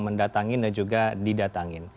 mendatangi dan juga didatangi